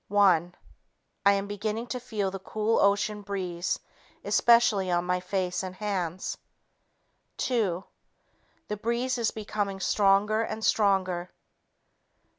One ... I am beginning to feel the cool ocean breeze, especially on my face and hands. Two ... The breeze is becoming stronger and stronger.